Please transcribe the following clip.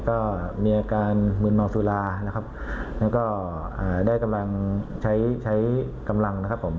ก็มีอาการมืนเมาสุรานะครับแล้วก็ได้กำลังใช้ใช้กำลังนะครับผม